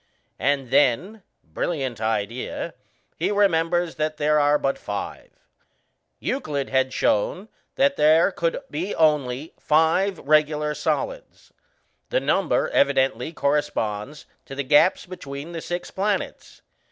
And then brilliant idea he remembers that there are but five. Euclid had shown that there could be only five regular solids. The number evidently corresponds to the gaps between the six planets.